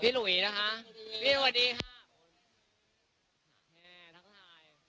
พี่หลุยนะคะพี่หวัดดีค่ะ